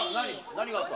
何があった？